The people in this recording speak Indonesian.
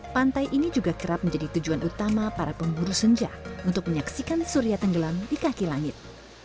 pantai ini juga kerap menjadi tujuan utama para pemburu senja untuk menyaksikan surya tenggelam di kaki langit